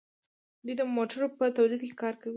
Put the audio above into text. دوی د موټرو په تولید کې کار کوي.